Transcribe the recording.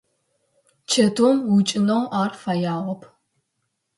Чэтыум ӏукӏэнэу ар фэягъэп.